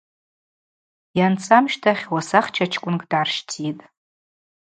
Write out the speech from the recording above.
Йанца амщтӏахь уасахча чкӏвынкӏ дгӏарщтитӏ.